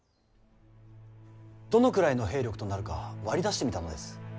どのくらいの兵力となるか割り出してみたのです。